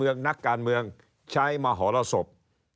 เอ้าล่ะใช่ครับ